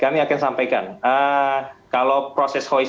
kemudian kita lakukan evakuasi melalui proses evakuasi